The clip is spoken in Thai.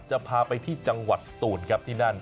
จะพาไปที่จังหวัดสตูนครับที่นั่น